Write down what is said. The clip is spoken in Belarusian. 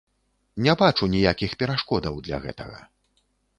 Не бачу ніякіх перашкодаў для гэтага.